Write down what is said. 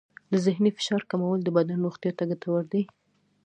د ذهني فشار کمول د بدن روغتیا ته ګټور دی.